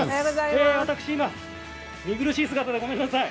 私、今見苦しい姿でごめんなさい